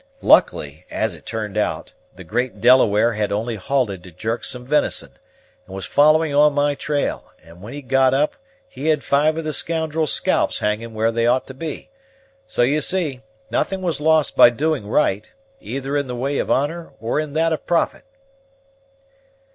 Luckily, as it turned out, the great Delaware had only halted to jerk some venison, and was following on my trail; and when he got up he had five of the scoundrels' scalps hanging where they ought to be; so, you see, nothing was lost by doing right, either in the way of honor or in that of profit."